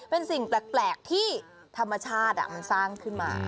เป็นสิ่งแปลกที่ธรรมชาติมันสร้างขึ้นมา